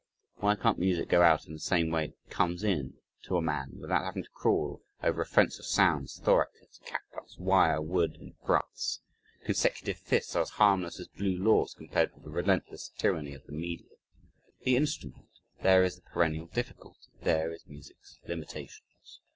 Why can't music go out in the same way it comes in to a man, without having to crawl over a fence of sounds, thoraxes, catguts, wire, wood, and brass? Consecutive fifths are as harmless as blue laws compared with the relentless tyranny of the "media." The instrument! there is the perennial difficulty there is music's limitations.